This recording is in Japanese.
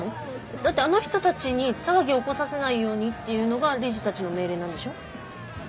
だってあの人たちに騒ぎを起こさせないようにっていうのが理事たちの命令なんでしょ？